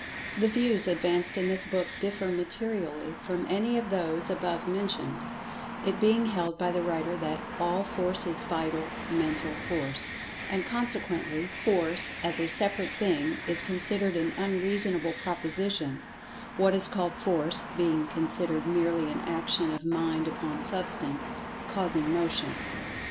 The views advanced in this book differ materially from any of those above mentioned, it being held by the writer that "All Force is Vital Mental Force," and, consequently, "Force" as a separate thing is considered an unreasonable proposition—what is called "Force" being considered merely an action of Mind upon Substance, causing Motion.